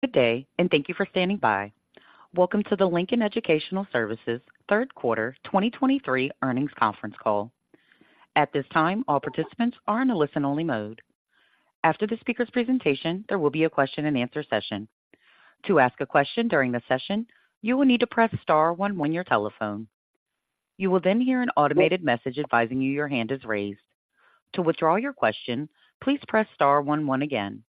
Good day, and thank you for standing by. Welcome to the Lincoln Educational Services third quarter 2023 earnings conference call. At this time, all participants are in a listen-only mode. After the speaker's presentation, there will be a question-and-answer session. To ask a question during the session, you will need to press star one on your telephone. You will then hear an automated message advising you your hand is raised. To withdraw your question, please press star one one again.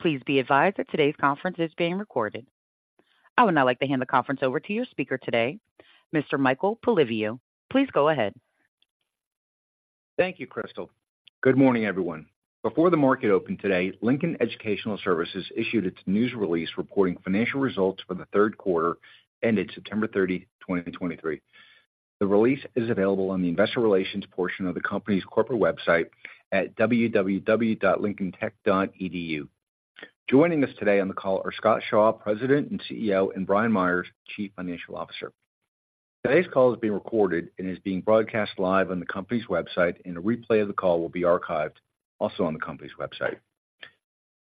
Please be advised that today's conference is being recorded. I would now like to hand the conference over to your speaker today, Mr. Michael Polyviou. Please go ahead. Thank you, Crystal. Good morning, everyone. Before the market opened today, Lincoln Educational Services issued its news release reporting financial results for the third quarter, ended September 30, 2023. The release is available on the investor relations portion of the company's corporate website at www.lincolntech.edu. Joining us today on the call are Scott Shaw, President and CEO, and Brian Meyers, Chief Financial Officer. Today's call is being recorded and is being broadcast live on the company's website, and a replay of the call will be archived also on the company's website.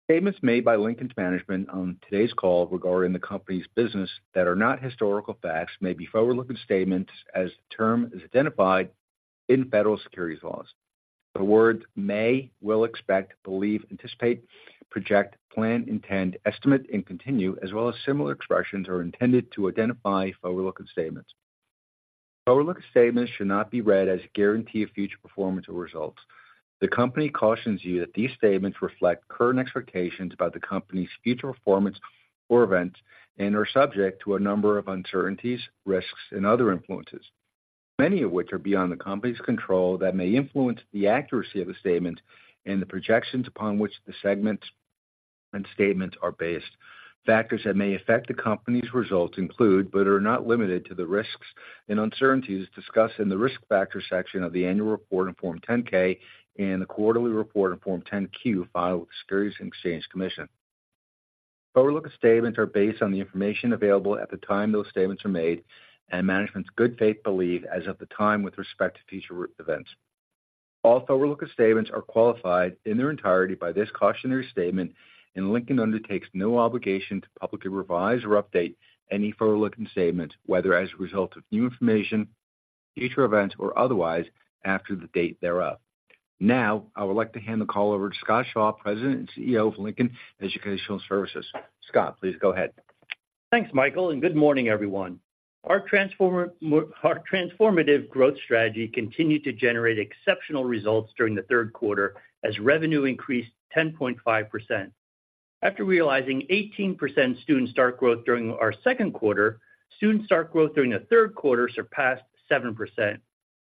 Statements made by Lincoln's management on today's call regarding the company's business that are not historical facts may be forward-looking statements as the term is identified in federal securities laws. The words may, will, expect, believe, anticipate, project, plan, intend, estimate, and continue, as well as similar expressions, are intended to identify forward-looking statements. Forward-looking statements should not be read as a guarantee of future performance or results. The company cautions you that these statements reflect current expectations about the company's future performance or events and are subject to a number of uncertainties, risks, and other influences, many of which are beyond the company's control, that may influence the accuracy of the statement and the projections upon which the segments and statements are based. Factors that may affect the company's results include, but are not limited to, the risks and uncertainties discussed in the Risk Factors section of the annual report in Form 10-K and the quarterly report in Form 10-Q, filed with the Securities and Exchange Commission. Forward-looking statements are based on the information available at the time those statements are made and management's good faith belief as of the time with respect to future events. All forward-looking statements are qualified in their entirety by this cautionary statement, and Lincoln undertakes no obligation to publicly revise or update any forward-looking statements, whether as a result of new information, future events, or otherwise, after the date thereof. Now, I would like to hand the call over to Scott Shaw, President and CEO of Lincoln Educational Services. Scott, please go ahead. Thanks, Michael, and good morning, everyone. Our transformative growth strategy continued to generate exceptional results during the third quarter as revenue increased 10.5%. After realizing 18% student start growth during our second quarter, student start growth during the third quarter surpassed 7%.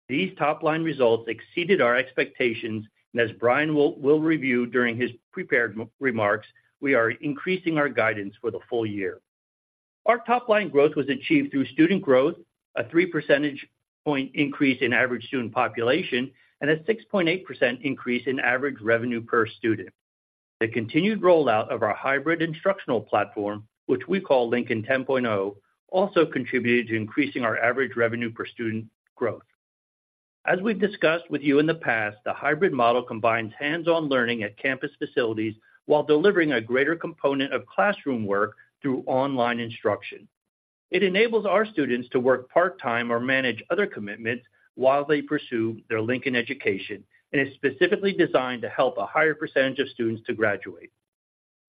These top-line results exceeded our expectations, and as Brian will review during his prepared remarks, we are increasing our guidance for the full year. Our top-line growth was achieved through student growth, a three percentage point increase in average student population, and a 6.8% increase in average revenue per student. The continued rollout of our hybrid instructional platform, which we call Lincoln 10.0, also contributed to increasing our average revenue per student growth. As we've discussed with you in the past, the hybrid model combines hands-on learning at campus facilities while delivering a greater component of classroom work through online instruction. It enables our students to work part-time or manage other commitments while they pursue their Lincoln education and is specifically designed to help a higher percentage of students to graduate.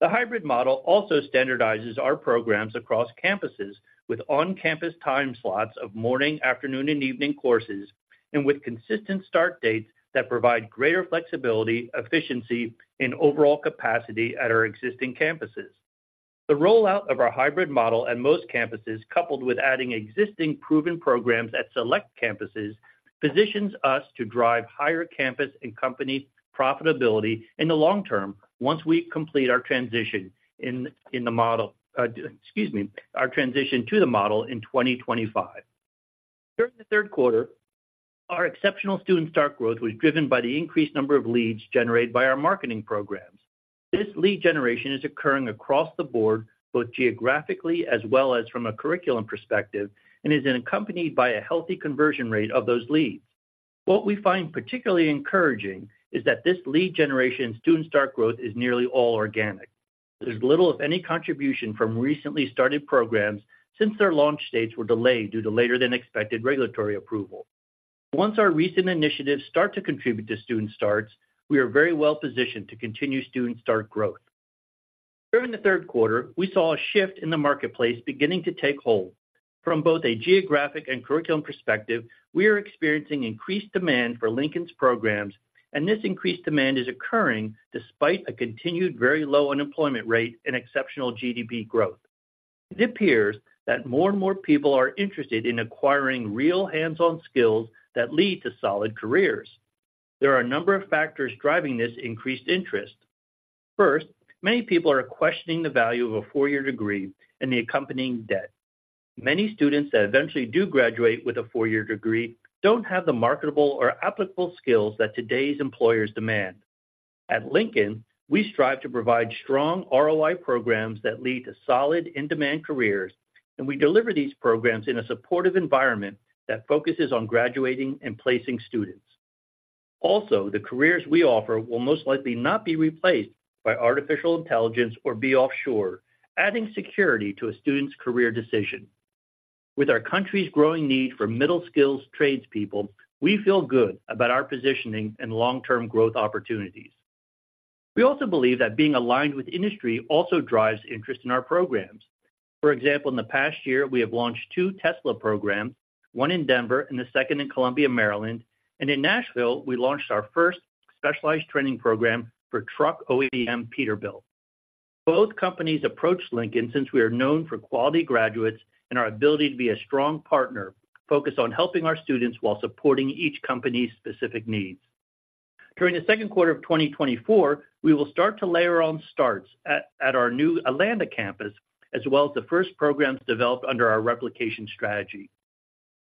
The hybrid model also standardizes our programs across campuses with on-campus time slots of morning, afternoon, and evening courses, and with consistent start dates that provide greater flexibility, efficiency, and overall capacity at our existing campuses. The rollout of our hybrid model at most campuses, coupled with adding existing proven programs at select campuses, positions us to drive higher campus and company profitability in the long term once we complete our transition to the model in 2025. During the third quarter, our exceptional student start growth was driven by the increased number of leads generated by our marketing programs. This lead generation is occurring across the board, both geographically as well as from a curriculum perspective, and is accompanied by a healthy conversion rate of those leads. What we find particularly encouraging is that this lead generation student start growth is nearly all organic. There's little, if any, contribution from recently started programs since their launch dates were delayed due to later-than-expected regulatory approval. Once our recent initiatives start to contribute to student starts, we are very well positioned to continue student start growth. During the third quarter, we saw a shift in the marketplace beginning to take hold. From both a geographic and curriculum perspective, we are experiencing increased demand for Lincoln's programs, and this increased demand is occurring despite a continued very low unemployment rate and exceptional GDP growth. It appears that more and more people are interested in acquiring real hands-on skills that lead to solid careers. There are a number of factors driving this increased interest. First, many people are questioning the value of a four-year degree and the accompanying debt. Many students that eventually do graduate with a four-year degree don't have the marketable or applicable skills that today's employers demand. At Lincoln, we strive to provide strong ROI programs that lead to solid, in-demand careers, and we deliver these programs in a supportive environment that focuses on graduating and placing students.... Also, the careers we offer will most likely not be replaced by artificial intelligence or be offshore, adding security to a student's career decision. With our country's growing need for middle-skills tradespeople, we feel good about our positioning and long-term growth opportunities. We also believe that being aligned with industry also drives interest in our programs. For example, in the past year, we have launched two Tesla programs, one in Denver and the second in Columbia, Maryland. And in Nashville, we launched our first specialized training program for truck OEM, Peterbilt. Both companies approached Lincoln since we are known for quality graduates and our ability to be a strong partner, focused on helping our students while supporting each company's specific needs. During the second quarter of 2024, we will start to layer on starts at our new Atlanta campus, as well as the first programs developed under our replication strategy.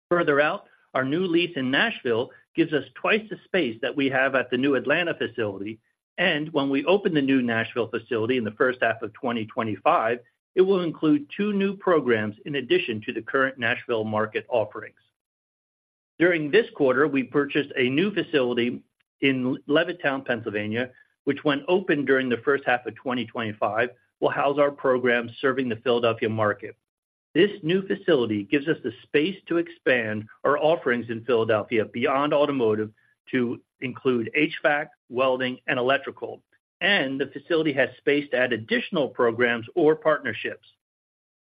Further out, our new lease in Nashville gives us twice the space that we have at the new Atlanta facility, and when we open the new Nashville facility in the first half of 2025, it will include two new programs in addition to the current Nashville market offerings. During this quarter, we purchased a new facility in Levittown, Pennsylvania, which, when open during the first half of 2025, will house our programs serving the Philadelphia market. This new facility gives us the space to expand our offerings in Philadelphia beyond automotive to include HVAC, welding, and electrical. The facility has space to add additional programs or partnerships.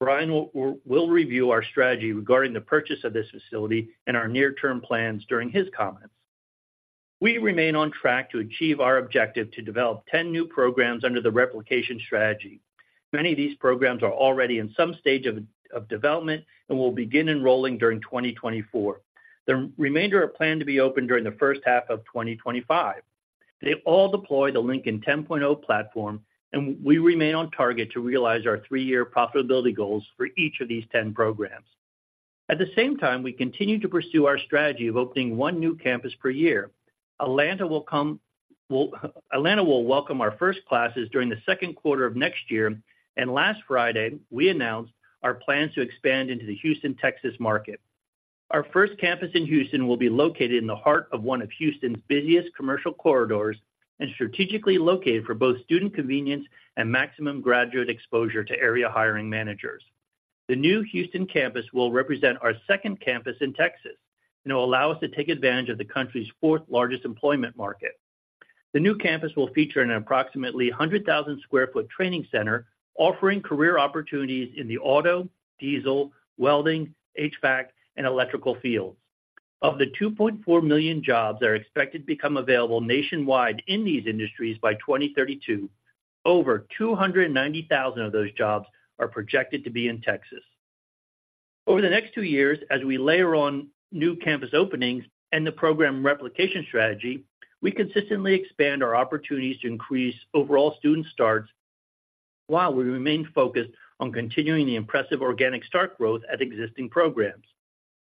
Brian will review our strategy regarding the purchase of this facility and our near-term plans during his comments. We remain on track to achieve our objective to develop 10 new programs under the replication strategy. Many of these programs are already in some stage of development and will begin enrolling during 2024. The remainder are planned to be open during the first half of 2025. They all deploy the Lincoln 10.0 platform, and we remain on target to realize our three-year profitability goals for each of these 10 programs. At the same time, we continue to pursue our strategy of opening one new campus per year. Atlanta will welcome our first classes during the second quarter of next year, and last Friday, we announced our plans to expand into the Houston, Texas, market. Our first campus in Houston will be located in the heart of one of Houston's busiest commercial corridors and strategically located for both student convenience and maximum graduate exposure to area hiring managers. The new Houston campus will represent our second campus in Texas, and it will allow us to take advantage of the country's fourth-largest employment market. The new campus will feature an approximately 100,000 sq ft training center, offering career opportunities in the auto, diesel, welding, HVAC, and electrical fields. Of the 2.4 million jobs that are expected to become available nationwide in these industries by 2032, over 290,000 of those jobs are projected to be in Texas. Over the next two years, as we layer on new campus openings and the program replication strategy, we consistently expand our opportunities to increase overall student starts, while we remain focused on continuing the impressive organic start growth at existing programs.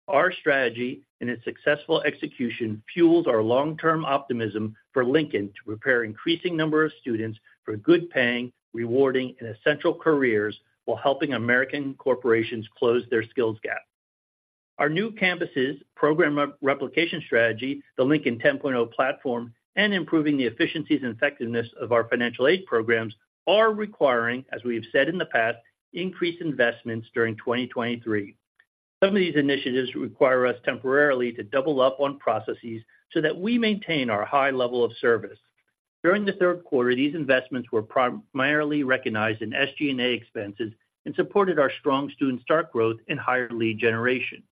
Our strategy and its successful execution fuels our long-term optimism for Lincoln to prepare increasing number of students for good-paying, rewarding, and essential careers while helping American corporations close their skills gap. Our new campuses, program replication strategy, the Lincoln 10.0 platform, and improving the efficiencies and effectiveness of our financial aid programs are requiring, as we have said in the past, increased investments during 2023. Some of these initiatives require us temporarily to double up on processes so that we maintain our high level of service. During the third quarter, these investments were primarily recognized in SG&A expenses and supported our strong student start growth and higher lead generation.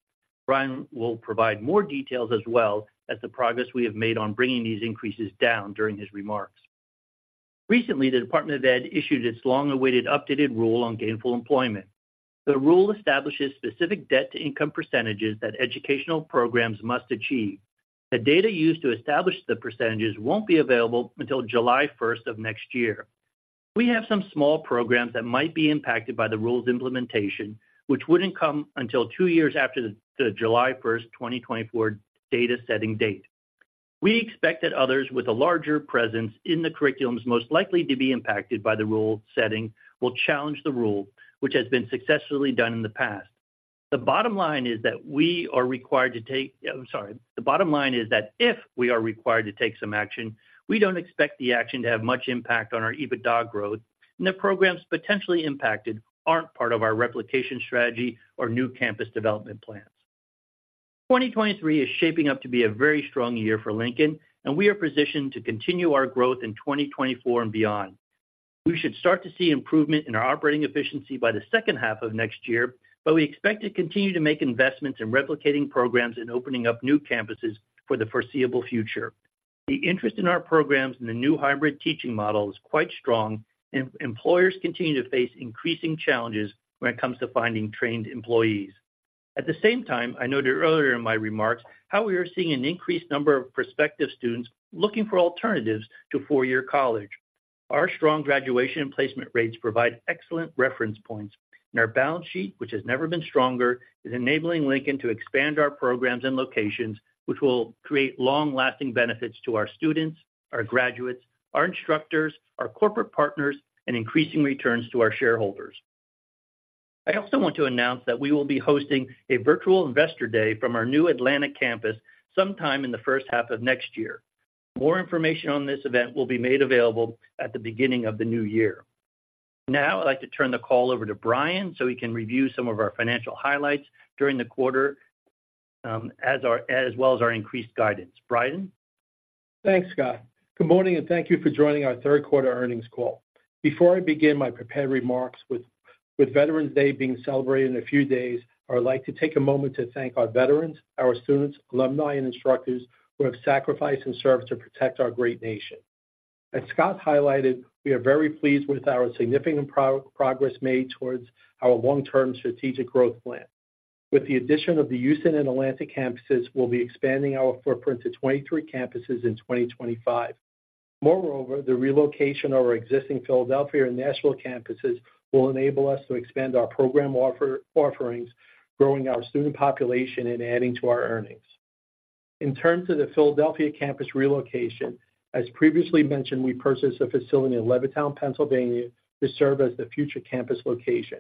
Brian will provide more details, as well as the progress we have made on bringing these increases down during his remarks. Recently, the Department of Ed issued its long-awaited updated rule on gainful employment. The rule establishes specific debt-to-income percentages that educational programs must achieve. The data used to establish the percentages won't be available until July 1 of next year. We have some small programs that might be impacted by the rule's implementation, which wouldn't come until two years after the July 1, 2024, data setting date. We expect that others with a larger presence in the curriculums most likely to be impacted by the rule setting will challenge the rule, which has been successfully done in the past. I'm sorry. The bottom line is that if we are required to take some action, we don't expect the action to have much impact on our EBITDA growth, and the programs potentially impacted aren't part of our replication strategy or new campus development plans. 2023 is shaping up to be a very strong year for Lincoln, and we are positioned to continue our growth in 2024 and beyond. We should start to see improvement in our operating efficiency by the second half of next year, but we expect to continue to make investments in replicating programs and opening up new campuses for the foreseeable future. The interest in our programs and the new hybrid teaching model is quite strong, and employers continue to face increasing challenges when it comes to finding trained employees. At the same time, I noted earlier in my remarks how we are seeing an increased number of prospective students looking for alternatives to four-year college. Our strong graduation and placement rates provide excellent reference points, and our balance sheet, which has never been stronger, is enabling Lincoln to expand our programs and locations, which will create long-lasting benefits to our students, our graduates, our instructors, our corporate partners, and increasing returns to our shareholders. I also want to announce that we will be hosting a virtual Investor Day from our new Atlanta campus sometime in the first half of next year. More information on this event will be made available at the beginning of the new year. Now, I'd like to turn the call over to Brian, so he can review some of our financial highlights during the quarter, as well as our increased guidance. Brian? Thanks, Scott. Good morning, and thank you for joining our third quarter earnings call. Before I begin my prepared remarks, with Veterans Day being celebrated in a few days, I would like to take a moment to thank our veterans, our students, alumni, and instructors who have sacrificed and served to protect our great nation. As Scott highlighted, we are very pleased with our significant progress made towards our long-term strategic growth plan. With the addition of the Houston and Atlanta campuses, we'll be expanding our footprint to 23 campuses in 2025. Moreover, the relocation of our existing Philadelphia and Nashville campuses will enable us to expand our program offerings, growing our student population and adding to our earnings. In terms of the Philadelphia campus relocation, as previously mentioned, we purchased a facility in Levittown, Pennsylvania, to serve as the future campus location.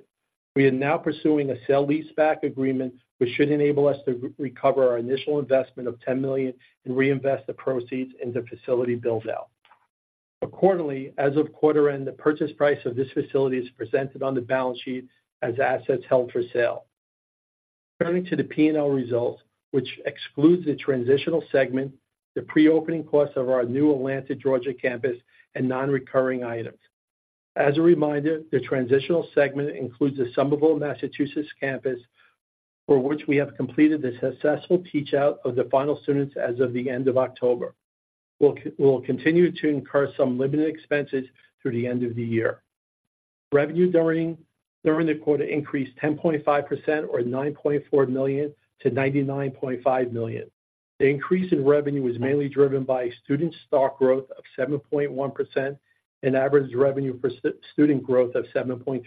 We are now pursuing a sale-leaseback agreement, which should enable us to recover our initial investment of $10 million and reinvest the proceeds in the facility build-out. Quarterly, as of quarter end, the purchase price of this facility is presented on the balance sheet as assets held for sale. Turning to the P&L results, which excludes the transitional segment, the pre-opening costs of our new Atlanta, Georgia, campus, and non-recurring items. As a reminder, the transitional segment includes the Somerville, Massachusetts, campus, for which we have completed the successful teach out of the final students as of the end of October. We will continue to incur some limited expenses through the end of the year. Revenue during the quarter increased 10.5% or $9.4 million to $99.5 million. The increase in revenue was mainly driven by student start growth of 7.1% and average revenue per student growth of 7.3%.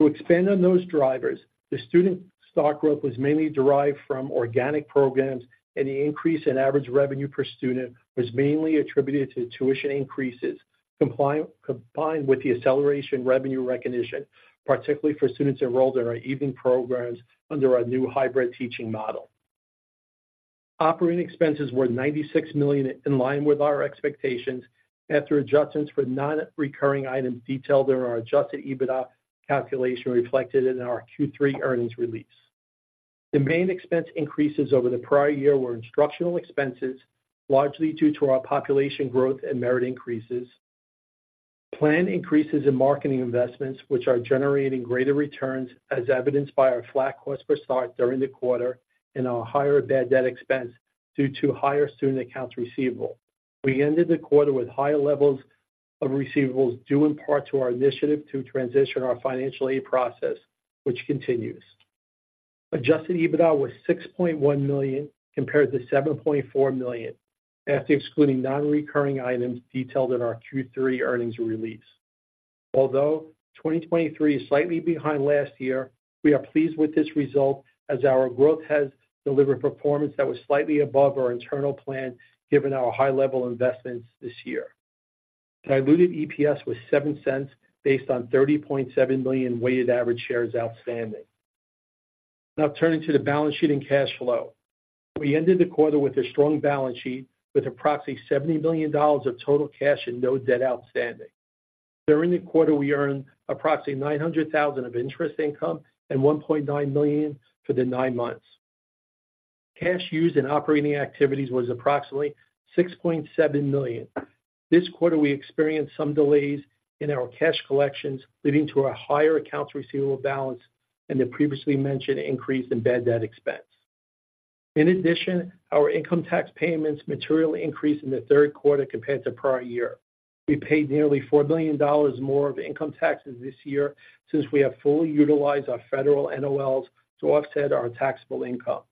To expand on those drivers, the student start growth was mainly derived from organic programs, and the increase in average revenue per student was mainly attributed to tuition increases, combined with the accelerated revenue recognition, particularly for students enrolled in our evening programs under our new hybrid teaching model. Operating expenses were $96 million, in line with our expectations, after adjustments for non-recurring items detailed in our Adjusted EBITDA calculation, reflected in our Q3 earnings release. The main expense increases over the prior year were instructional expenses, largely due to our population growth and merit increases. Planned increases in marketing investments, which are generating greater returns, as evidenced by our flat cost per start during the quarter and our higher bad debt expense due to higher student accounts receivable. We ended the quarter with higher levels of receivables, due in part to our initiative to transition our financial aid process, which continues. Adjusted EBITDA was $6.1 million, compared to $7.4 million, after excluding non-recurring items detailed in our Q3 earnings release. Although 2023 is slightly behind last year, we are pleased with this result as our growth has delivered performance that was slightly above our internal plan, given our high level investments this year. Diluted EPS was $0.07, based on 30.7 million weighted average shares outstanding. Now turning to the balance sheet and cash flow. We ended the quarter with a strong balance sheet, with approximately $70 million of total cash and no debt outstanding. During the quarter, we earned approximately $900,000 of interest income and $1.9 million for the nine months. Cash used in operating activities was approximately $6.7 million. This quarter, we experienced some delays in our cash collections, leading to a higher accounts receivable balance and the previously mentioned increase in bad debt expense. In addition, our income tax payments materially increased in the third quarter compared to prior year. We paid nearly $4 million more of income taxes this year since we have fully utilized our federal NOLs to offset our taxable income.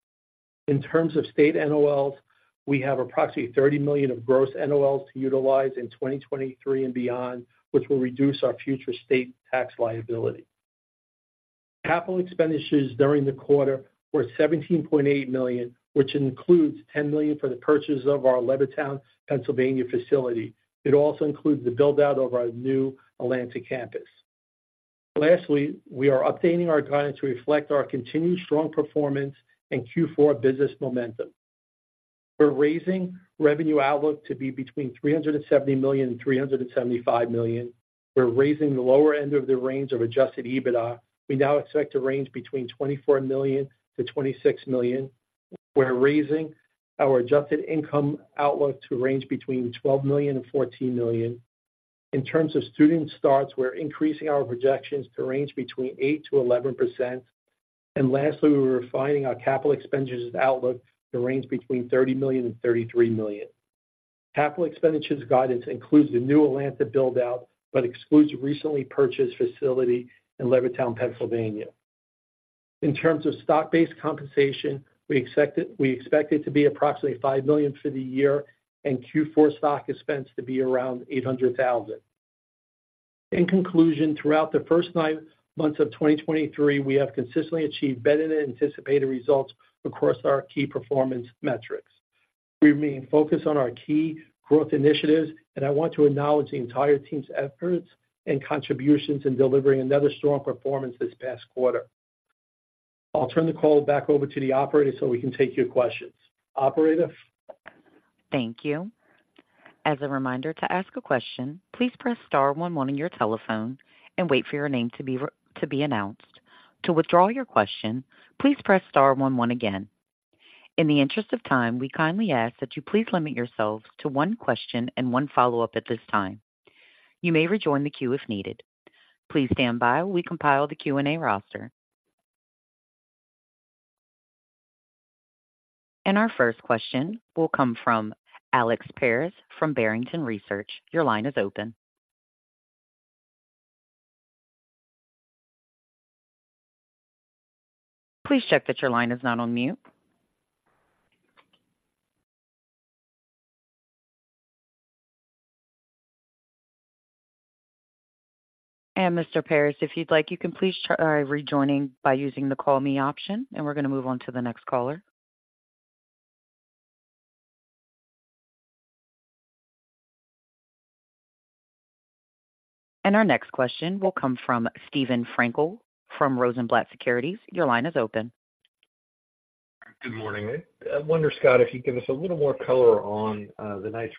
In terms of state NOLs, we have approximately 30 million of gross NOLs to utilize in 2023 and beyond, which will reduce our future state tax liability. Capital expenditures during the quarter were $17.8 million, which includes $10 million for the purchase of our Levittown, Pennsylvania, facility. It also includes the build-out of our new Atlanta campus. Lastly, we are updating our guidance to reflect our continued strong performance and Q4 business momentum. We're raising revenue outlook to be between $370 million and $375 million. We're raising the lower end of the range of adjusted EBITDA. We now expect to range between $24 million-$26 million. We're raising our adjusted income outlook to range between $12 million-$14 million. In terms of student starts, we're increasing our projections to range between 8%-11%. And lastly, we're refining our capital expenditures outlook to range between $30 million-$33 million. Capital expenditures guidance includes the new Atlanta build-out, but excludes recently purchased facility in Levittown, Pennsylvania. In terms of stock-based compensation, we expect it to be approximately $5 million for the year and Q4 stock expense to be around $800,000. In conclusion, throughout the first nine months of 2023, we have consistently achieved better than anticipated results across our key performance metrics.... We remain focused on our key growth initiatives, and I want to acknowledge the entire team's efforts and contributions in delivering another strong performance this past quarter. I'll turn the call back over to the operator so we can take your questions. Operator? Thank you. As a reminder, to ask a question, please press star one one on your telephone and wait for your name to be announced. To withdraw your question, please press star one one again. In the interest of time, we kindly ask that you please limit yourselves to one question and one follow-up at this time. You may rejoin the queue if needed. Please stand by while we compile the Q&A roster. And our first question will come from Alex Paris from Barrington Research. Your line is open. Please check that your line is not on mute. And Mr. Paris, if you'd like, you can please try rejoining by using the Call me option, and we're gonna move on to the next caller. And our next question will come from Steve Frankel from Rosenblatt Securities. Your line is open. Good morning. I wonder, Scott, if you'd give us a little more color on the nice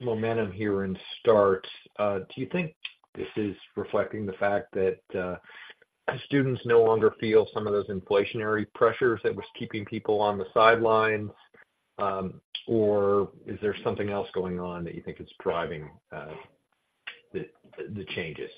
momentum here in start. Do you think this is reflecting the fact that students no longer feel some of those inflationary pressures that was keeping people on the sidelines, or is there something else going on that you think is driving the changes?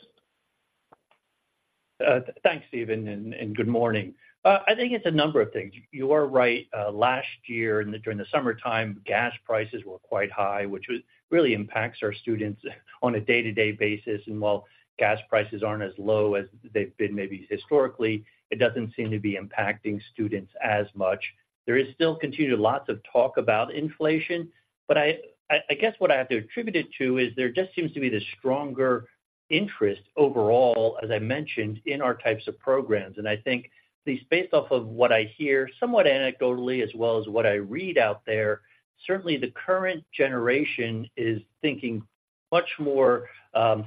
Thanks, Steve, and good morning. I think it's a number of things. You are right. Last year, during the summertime, gas prices were quite high, which really impacts our students on a day-to-day basis. While gas prices aren't as low as they've been maybe historically, it doesn't seem to be impacting students as much. There is still continued lots of talk about inflation, but I guess what I have to attribute it to is there just seems to be this stronger interest overall, as I mentioned, in our types of programs. I think at least based off of what I hear, somewhat anecdotally as well as what I read out there, certainly the current generation is thinking much more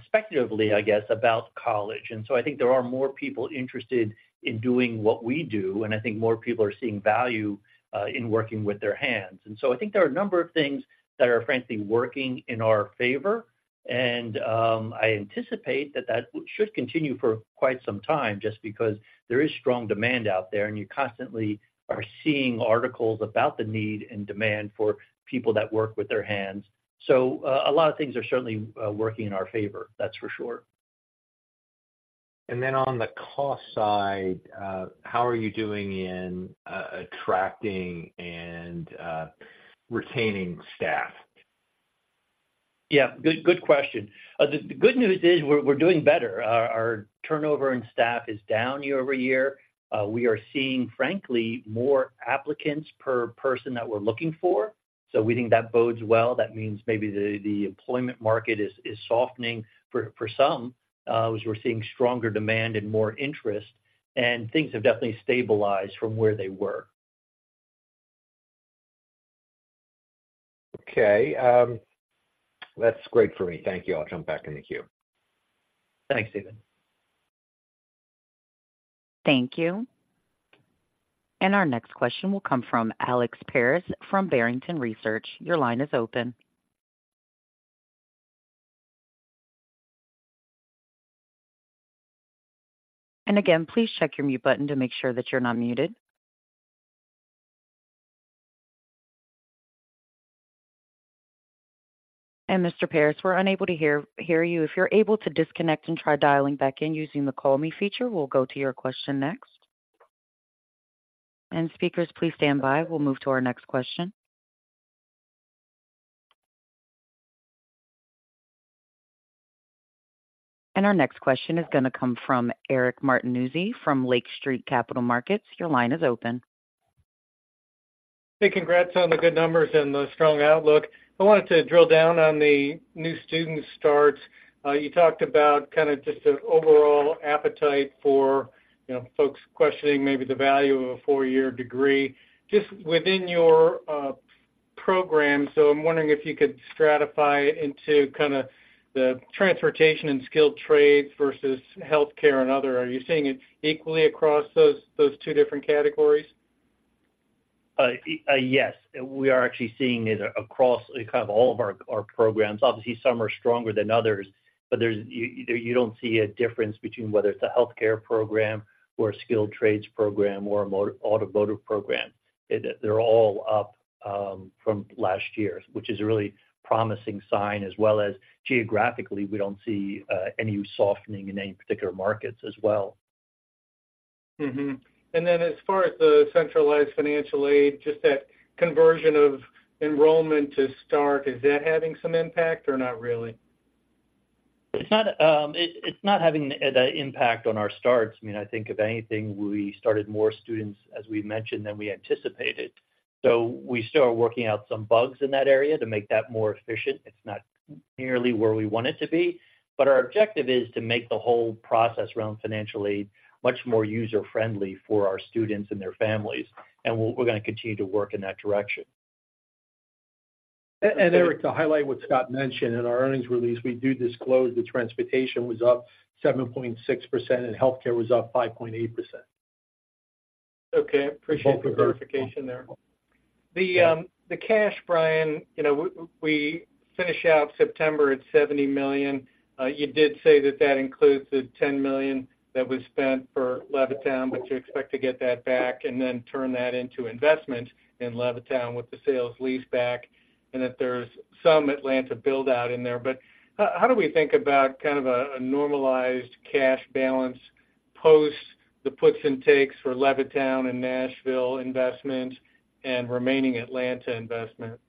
speculatively, I guess, about college. I think there are more people interested in doing what we do, and I think more people are seeing value in working with their hands. I think there are a number of things that are frankly working in our favor, and I anticipate that that should continue for quite some time, just because there is strong demand out there, and you constantly are seeing articles about the need and demand for people that work with their hands. So a lot of things are certainly working in our favor. That's for sure. On the cost side, how are you doing in attracting and retaining staff? Yeah, good, good question. The good news is we're doing better. Our turnover in staff is down year-over-year. We are seeing, frankly, more applicants per person that we're looking for, so we think that bodes well. That means maybe the employment market is softening for some, as we're seeing stronger demand and more interest, and things have definitely stabilized from where they were. Okay, that's great for me. Thank you. I'll jump back in the queue. Thanks, Steve. Thank you. Our next question will come from Alex Paris from Barrington Research. Your line is open. And again, please check your mute button to make sure that you're not muted. And Mr. Paris, we're unable to hear you. If you're able to disconnect and try dialing back in using the Call Me feature, we'll go to your question next. And speakers, please stand by. We'll move to our next question. Our next question is gonna come from Eric Martinuzzi from Lake Street Capital Markets. Your line is open. Hey, congrats on the good numbers and the strong outlook. I wanted to drill down on the new student starts. You talked about kind of just the overall appetite for, you know, folks questioning maybe the value of a four-year degree. Just within your program, so I'm wondering if you could stratify into kind of the transportation and skilled trades versus healthcare and other. Are you seeing it equally across those, those two different categories? Yes, we are actually seeing it across kind of all of our programs. Obviously, some are stronger than others, but there's... You don't see a difference between whether it's a healthcare program or a skilled trades program or a motor- automotive program. They're all up from last year, which is a really promising sign, as well as geographically, we don't see any softening in any particular markets as well. Mm-hmm. And then, as far as the centralized financial aid, just that conversion of enrollment to start, is that having some impact or not really? It's not having the impact on our starts. I mean, I think if anything, we started more students, as we mentioned, than we anticipated. So we still are working out some bugs in that area to make that more efficient. It's not nearly where we want it to be, but our objective is to make the whole process around financial aid much more user-friendly for our students and their families, and we're gonna continue to work in that direction.... And, Eric, to highlight what Scott mentioned, in our earnings release, we do disclose the transportation was up 7.6% and healthcare was up 5.8%. Okay, appreciate the clarification there. The cash, Brian, you know, we finish out September at $70 million. You did say that that includes the $10 million that was spent for Levittown, but you expect to get that back and then turn that into investment in Levittown with the sale-leaseback, and that there's some Atlanta build-out in there. But how do we think about kind of a normalized cash balance post the puts and takes for Levittown and Nashville investment and remaining Atlanta investment?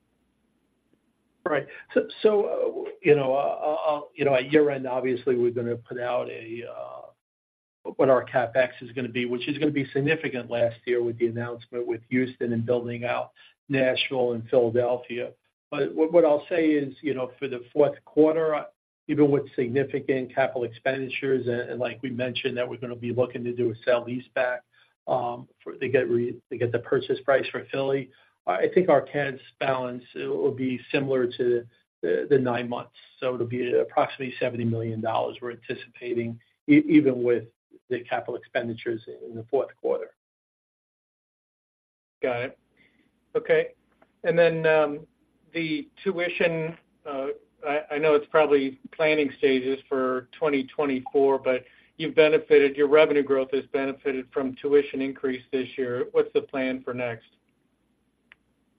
Right. So, you know, at year-end, obviously, we're gonna put out a what our CapEx is gonna be, which is gonna be significant last year with the announcement with Houston and building out Nashville and Philadelphia. But what I'll say is, you know, for the fourth quarter, even with significant capital expenditures and like we mentioned, that we're gonna be looking to do a sale-leaseback for to get the purchase price for Philly. I think our cash balance will be similar to the nine months, so it'll be approximately $70 million, we're anticipating, even with the capital expenditures in the fourth quarter. Got it. Okay. And then, the tuition, I know it's probably planning stages for 2024, but you've benefited. Your revenue growth has benefited from tuition increase this year. What's the plan for next?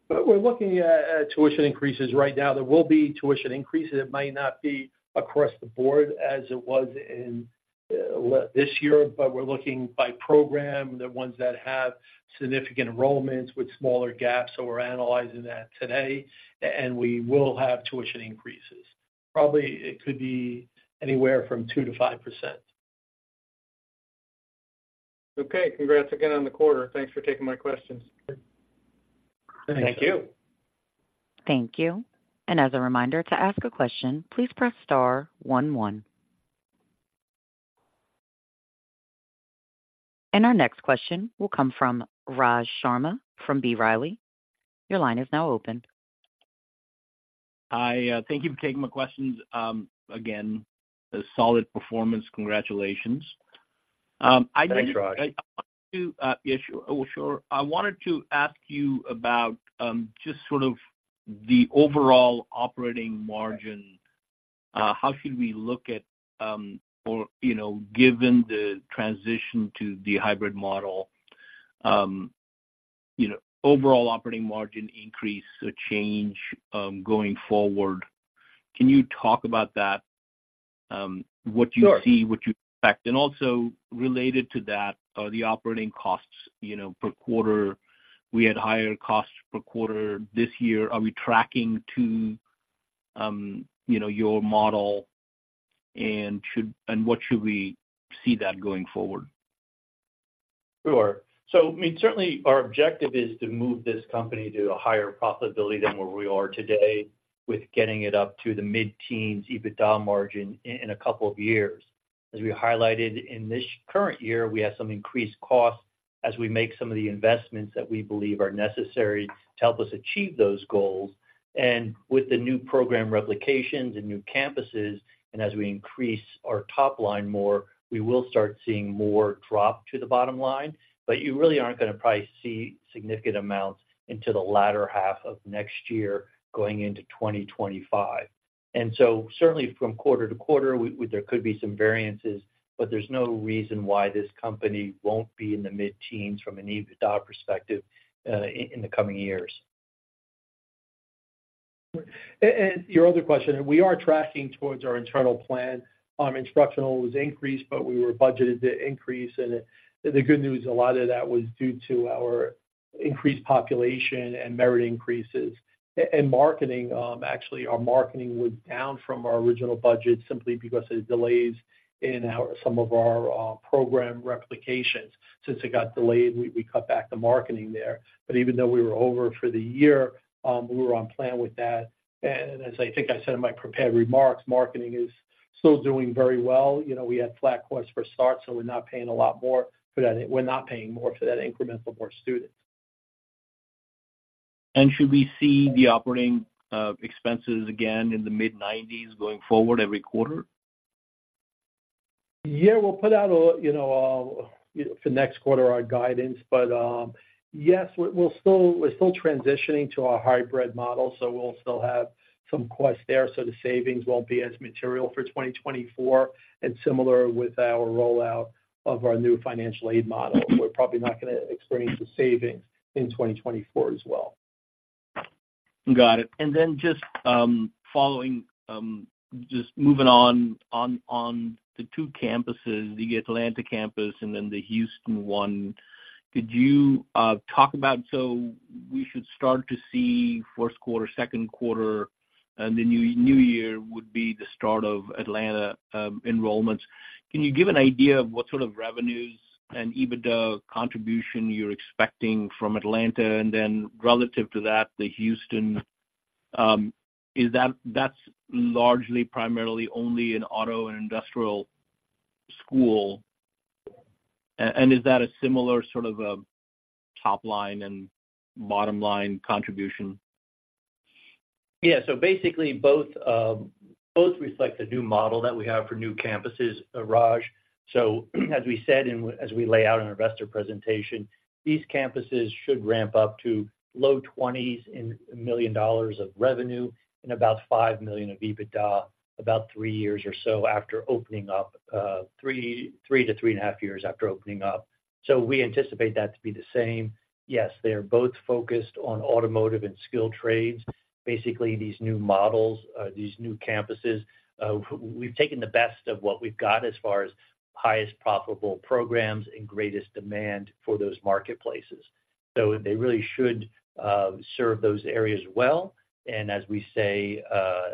We're looking at tuition increases right now. There will be tuition increases. It might not be across the board as it was in this year, but we're looking by program, the ones that have significant enrollments with smaller gaps. So we're analyzing that today, and we will have tuition increases. Probably, it could be anywhere from 2%-5%. Okay. Congrats again on the quarter. Thanks for taking my questions. Thank you. Thank you. And as a reminder, to ask a question, please press star one, one. And our next question will come from Raj Sharma from B. Riley. Your line is now open. Hi, thank you for taking my questions. Again, a solid performance. Congratulations. I- Thanks, Raj. Yes, sure. I wanted to ask you about, just sort of the overall operating margin. How should we look at, you know, given the transition to the hybrid model, you know, overall operating margin increase or change, going forward, can you talk about that? What you see- Sure. - what you expect. And also related to that, the operating costs, you know, per quarter, we had higher costs per quarter this year. Are we tracking to, you know, your model, and what should we see that going forward? Sure. So, I mean, certainly our objective is to move this company to a higher profitability than where we are today, with getting it up to the mid-teens EBITDA margin in a couple of years. As we highlighted in this current year, we have some increased costs as we make some of the investments that we believe are necessary to help us achieve those goals. And with the new program replications and new campuses, and as we increase our top line more, we will start seeing more drop to the bottom line, but you really aren't gonna probably see significant amounts into the latter half of next year, going into 2025. And so certainly from quarter to quarter, there could be some variances, but there's no reason why this company won't be in the mid-teens from an EBITDA perspective in the coming years. Your other question, we are tracking towards our internal plan. Instructional was increased, but we were budgeted to increase, and the good news, a lot of that was due to our increased population and merit increases. And marketing, actually, our marketing was down from our original budget simply because of the delays in some of our program replications. Since it got delayed, we cut back the marketing there. But even though we were over for the year, we were on plan with that. And as I think I said in my prepared remarks, marketing is still doing very well. You know, we had flat costs for start, so we're not paying a lot more for that. We're not paying more for that incremental more students. Should we see the operating expenses again in the mid-nineties going forward every quarter? Yeah, we'll put out a, you know, for next quarter, our guidance, but, yes, we're still transitioning to our hybrid model, so we'll still have some costs there, so the savings won't be as material for 2024. And similar with our rollout of our new financial aid model, we're probably not gonna experience the savings in 2024 as well. Got it. And then just following, just moving on to the two campuses, the Atlanta campus and then the Houston one, could you talk about... So we should start to see first quarter, second quarter, and the new year would be the start of Atlanta enrollments. Can you give an idea of what sort of revenues and EBITDA contribution you're expecting from Atlanta, and then relative to that, the Houston, is that-- that's largely primarily only an auto and industrial school?... And is that a similar sort of top line and bottom line contribution? Yeah. So basically, both, both reflect the new model that we have for new campuses, Raj. So as we said, and as we lay out in our investor presentation, these campuses should ramp up to low $20 million of revenue and about $5 million of EBITDA, about three years or so after opening up, three-3.5 years after opening up. So we anticipate that to be the same. Yes, they are both focused on automotive and skilled trades. Basically, these new models, these new campuses, we've taken the best of what we've got as far as highest profitable programs and greatest demand for those marketplaces. So they really should serve those areas well. And as we say,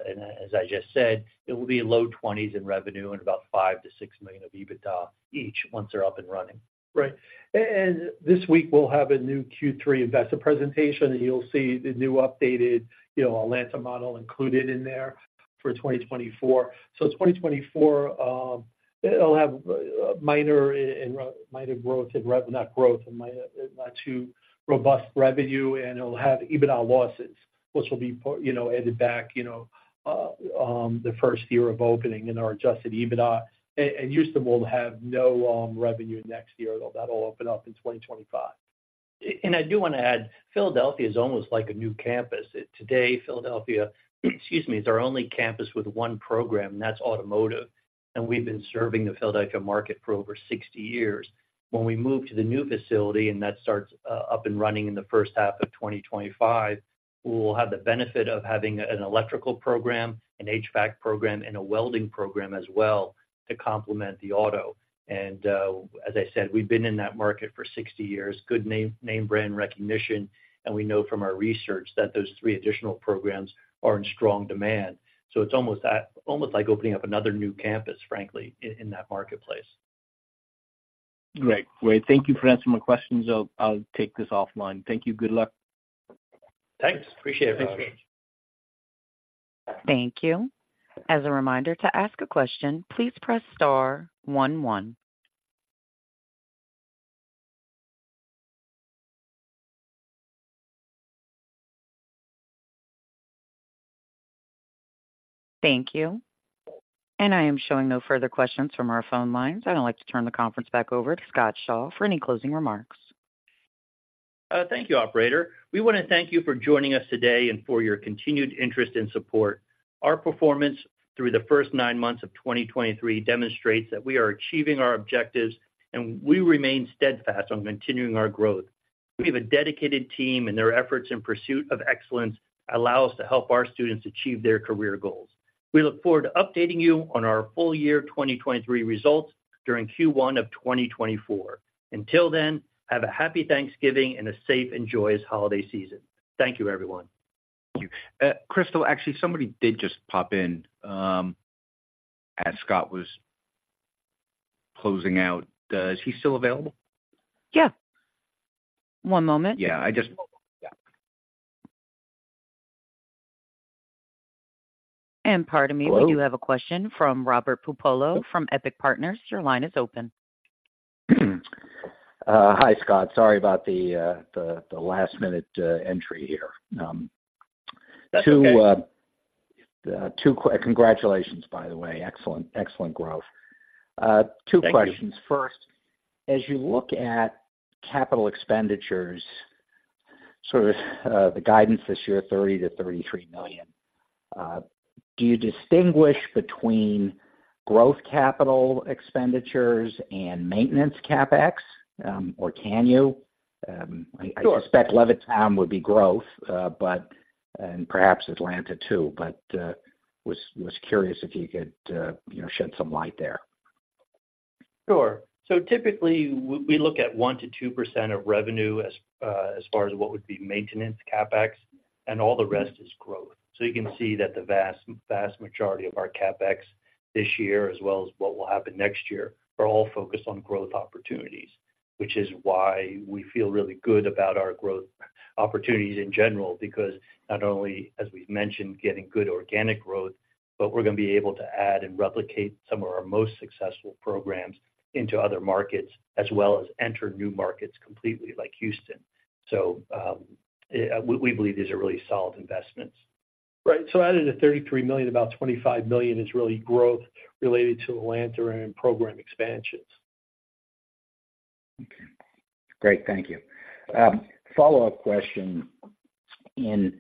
and as I just said, it will be low $20s in revenue and about $5 million-$6 million of EBITDA each once they're up and running. Right. This week, we'll have a new Q3 investor presentation, and you'll see the new updated, you know, Atlanta model included in there for 2024. So 2024, it'll have minor, not too robust revenue, and it'll have EBITDA losses, which will be, you know, added back, you know, the first year of opening in our adjusted EBITDA. Houston will have no revenue next year. That'll open up in 2025. I do want to add, Philadelphia is almost like a new campus. Today, Philadelphia, excuse me, is our only campus with one program, and that's automotive. We've been serving the Philadelphia market for over 60 years. When we move to the new facility, and that starts up and running in the first half of 2025, we will have the benefit of having an electrical program, an HVAC program, and a welding program as well, to complement the auto. As I said, we've been in that market for 60 years. Good name, name brand recognition, and we know from our research that those three additional programs are in strong demand. It's almost like opening up another new campus, frankly, in that marketplace. Great. Great. Thank you for answering my questions. I'll, I'll take this offline. Thank you. Good luck. Thanks. Appreciate it, Raj. Thanks. Thank you. As a reminder, to ask a question, please press star one, one. Thank you. I am showing no further questions from our phone lines. I'd now like to turn the conference back over to Scott Shaw for any closing remarks. Thank you, operator. We want to thank you for joining us today and for your continued interest and support. Our performance through the first nine months of 2023 demonstrates that we are achieving our objectives, and we remain steadfast on continuing our growth. We have a dedicated team, and their efforts in pursuit of excellence allow us to help our students achieve their career goals. We look forward to updating you on our full year 2023 results during Q1 of 2024. Until then, have a happy Thanksgiving and a safe and joyous holiday season. Thank you, everyone. Thank you. Crystal, actually, somebody did just pop in as Scott was closing out. Is he still available? Yeah. One moment. Yeah, I just... Yeah. Pardon me. Hello. We do have a question from Robert Puopolo from Epic Partners. Your line is open. Hi, Scott. Sorry about the last-minute entry here. That's okay. Congratulations, by the way. Excellent, excellent growth. Thank you. Two questions. First, as you look at capital expenditures, sort of, the guidance this year, $30 million-$33 million, do you distinguish between growth capital expenditures and maintenance CapEx, or can you? Sure. I suspect Levittown would be growth, but and perhaps Atlanta, too, but was curious if you could, you know, shed some light there. Sure. So typically, we look at 1%-2% of revenue as, as far as what would be maintenance CapEx, and all the rest is growth. So you can see that the vast, vast majority of our CapEx this year, as well as what will happen next year, are all focused on growth opportunities, which is why we feel really good about our growth opportunities in general, because not only, as we've mentioned, getting good organic growth, but we're gonna be able to add and replicate some of our most successful programs into other markets, as well as enter new markets completely, like Houston. So, we believe these are really solid investments. Right. So out of the $33 million, about $25 million is really growth related to Atlanta and program expansions. Okay. Great, thank you. Follow-up question, and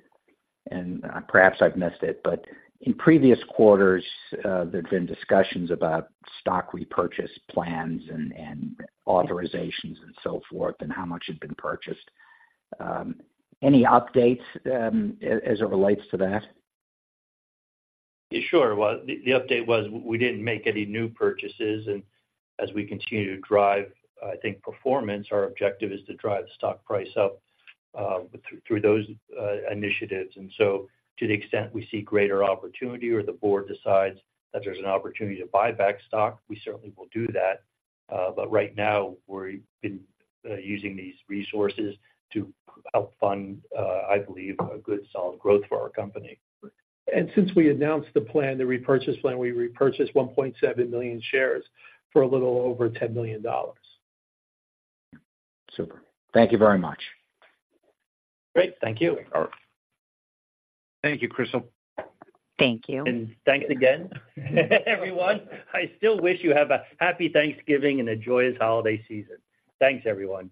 perhaps I've missed it, but in previous quarters, there's been discussions about stock repurchase plans and authorizations and so forth, and how much had been purchased. Any updates, as it relates to that? Sure. Well, the update was we didn't make any new purchases, and as we continue to drive, I think, performance, our objective is to drive the stock price up, through those initiatives. And so to the extent we see greater opportunity or the board decides that there's an opportunity to buy back stock, we certainly will do that. But right now, we're been using these resources to help fund, I believe, a good, solid growth for our company. Since we announced the plan, the repurchase plan, we repurchased 1.7 million shares for a little over $10 million. Super. Thank you very much. Great. Thank you. All right. Thank you, Crystal. Thank you. Thanks again, everyone. I still wish you have a happy Thanksgiving and a joyous holiday season. Thanks, everyone.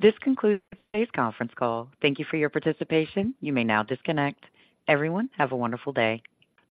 This concludes today's conference call. Thank you for your participation. You may now disconnect. Everyone, have a wonderful day.